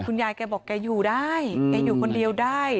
แกบอกแกอยู่ได้แกอยู่คนเดียวได้